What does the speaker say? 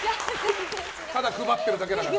ただ配ってるだけだから。